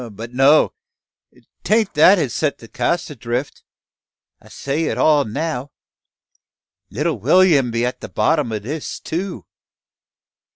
But no! Tain't that has set the cask adrift. I set it all now. Little Will'm be at the bottom o' this too.